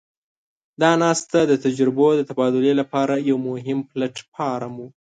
دا ناسته د تجربو د تبادلې لپاره یو مهم پلټ فارم وو.